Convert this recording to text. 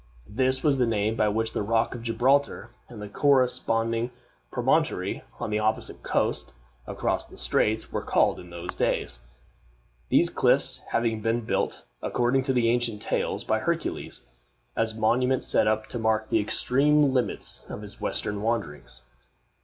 This was the name by which the Rock of Gibraltar and the corresponding promontory on the opposite coast, across the straits, were called in those days; these cliffs having been built, according to ancient tales, by Hercules, as monuments set up to mark the extreme limits of his western wanderings.